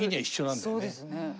そうですね。